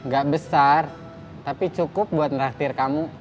gak besar tapi cukup buat naftir kamu